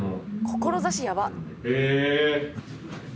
「志やばっ」